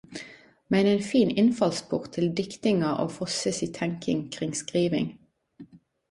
Men ein fin innfallsport til diktinga og Fosse si tenking kring skriving.